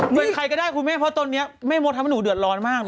เหมือนใครก็ได้คุณแม่เพราะตอนนี้แม่มดทำให้หนูเดือดร้อนมาก